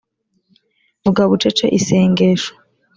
vuga bucece isengesho